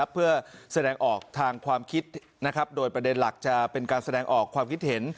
เพื่อแสดงออกทางความคิดโดยประเด็นหลักจะเป็นการแสดงออกความคิดเห็น